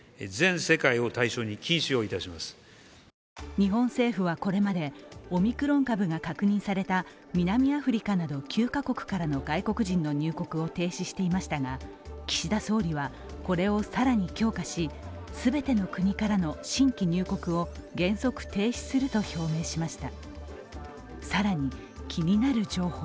日本政府はこれまでオミクロン株が確認された南アフリカなど９カ国からの外国人の入国を停止していましたが岸田総理はこれを更に強化し、全ての国からの新規入国を原則停止すると表明しました。